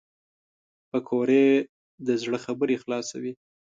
پکورې د زړه خبرې خلاصوي